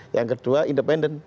yang kedua independen